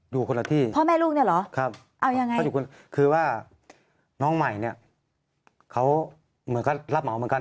อยู่คนละที่พ่อแม่ลูกเนี่ยเหรอครับเอายังไงเขาอยู่คือว่าน้องใหม่เนี่ยเขาเหมือนก็รับเหมาเหมือนกัน